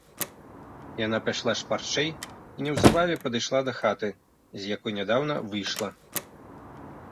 Яна пайшла шпарчэй і неўзабаве падышла да хаты, з якой нядаўна выйшла.